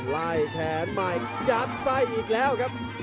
ไล่แทนมาอีกจัดซ้ายอีกแล้วครับ